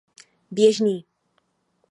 Běžný.